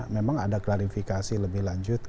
memang ada klarifikasi lebih lanjut